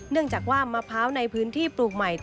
เนื่องจากว่ามะพร้าวในพื้นที่ปลูกใหม่